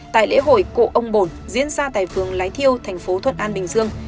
tại lễ hội cộ ông bồn diễn ra tại phường lái thiêu tp thuận an bình dương